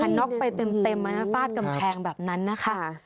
น็อกไปเต็มฟาดกำแพงแบบนั้นนะคะ